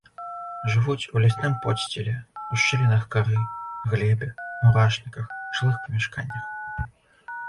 Жывуць у лясным подсціле, у шчылінах кары, глебе, мурашніках, жылых памяшканнях.